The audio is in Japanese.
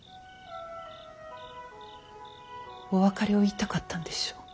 お別れを言いたかったんでしょう。